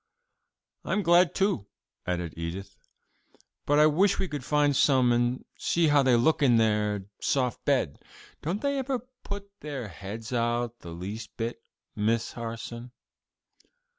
"I'm glad too," added Edith, "but I wish we could find some and see how they look in their soft bed. Don't they ever put their heads out the least bit, Miss Harson?"